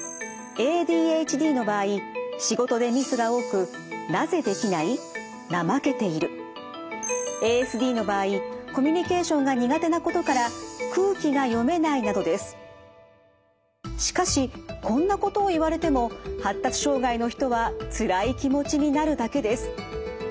ＡＤＨＤの場合仕事でミスが多くＡＳＤの場合コミュニケーションが苦手なことからしかしこんなことを言われても発達障害の人はつらい気持ちになるだけです。